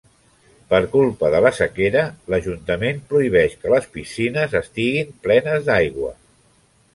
Per culpa de la sequera, l’ajuntament prohibeix que les piscines estiguin plenes d’aigua.